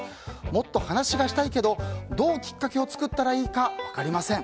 もっと話がしたいけどどうきっかけを作ったらいいか